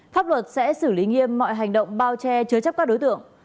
pháp luật sẽ xử lý nghiêm mọi hành động bao che chứa chấp các đối tượng